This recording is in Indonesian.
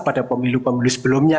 pada pemilu pemilu sebelumnya